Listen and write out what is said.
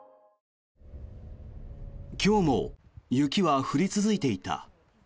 今日も雪は降り続いていた。